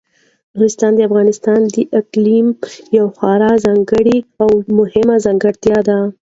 نورستان د افغانستان د اقلیم یوه خورا ځانګړې او مهمه ځانګړتیا ده.